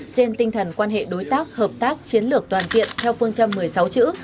trên tinh thần quan hệ đối tác hợp tác chiến lược toàn diện theo phương châm một mươi sáu chữ